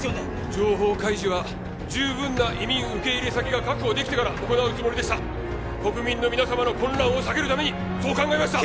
情報開示は十分な移民受け入れ先が確保できてから行うつもりでした国民の皆様の混乱を避けるためにそう考えました！